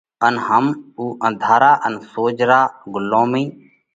ان هم اُو انڌارا ان سوجھرا، ڳُلومِي